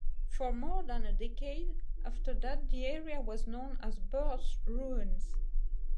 For more than a decade after that the area was known as Bird's Ruins.